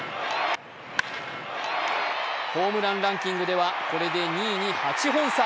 ホームランランキングではこれで２位に８本差。